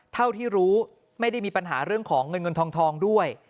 เท่าที่รู้ไม่ได้มีปัญหาเรื่องของเงินเงินทองด้วย